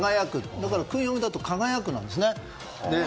だから、訓読みだと「かがやく」なんですね。